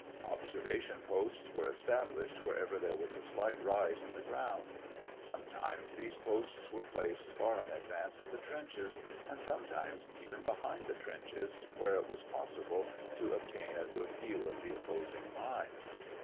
Observation posts were established wherever there was a slight rise in the ground. Sometimes these posts were placed far in advance of the trenches and sometimes even behind the trenches where it was possible to obtain a good view of the opposing lines.